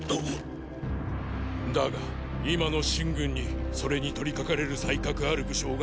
だが今の秦軍にそれにとりかかれる才覚ある武将が何人いる。